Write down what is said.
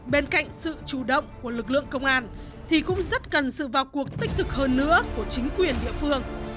bên cạnh sự chủ động của lực lượng công an thì cũng rất cần sự vào cuộc tích cực hơn nữa của chính quyền địa phương